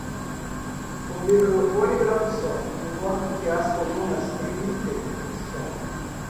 O microfone grava som, enquanto que as colunas emitem som.